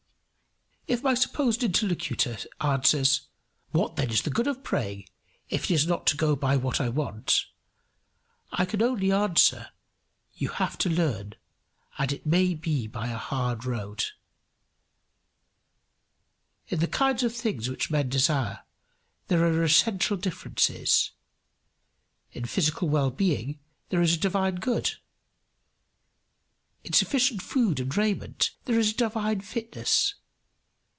If my supposed interlocutor answers, "What then is the good of praying, if it is not to go by what I want?" I can only answer, "You have to learn, and it may be by a hard road." In the kinds of things which men desire, there are essential differences. In physical well being, there is a divine good. In sufficient food and raiment, there is a divine fitness.